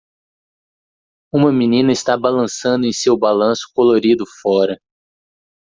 Uma menina está balançando em seu balanço colorido fora.